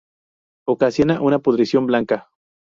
Ocasiona una pudrición blanca.